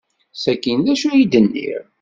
Sakkin d acu ay d-nniɣ?